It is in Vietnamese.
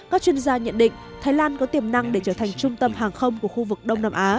các chuyên gia nhận định thái lan có tiềm năng để trở thành trung tâm hàng không của khu vực đông nam á